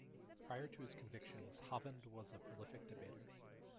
Prior to his convictions, Hovind was a prolific debater.